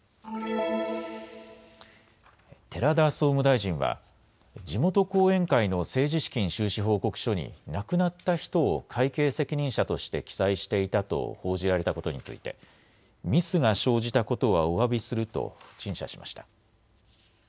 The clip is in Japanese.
寺田総務大臣は地元後援会の政治資金収支報告書に亡くなった人を会計責任者として記載していたと報じられたことについてミスが生じたことはおわびすると陳謝しました。